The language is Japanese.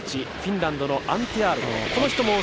フィンランドのアンティ・アールト。